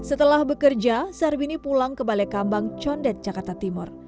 setelah bekerja sarbini pulang ke balai kambang condet jakarta timur